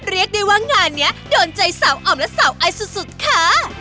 เรียกได้ว่างานนี้โดนใจสาวอ่อมและสาวไอสุดค่ะ